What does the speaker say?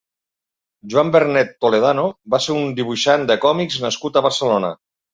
Joan Bernet Toledano va ser un dibuixant de còmics nascut a Barcelona.